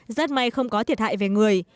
rất may không có thiệt hại về người